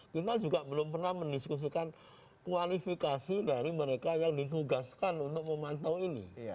kita juga belum pernah mendiskusikan kualifikasi dari mereka yang ditugaskan untuk memantau ini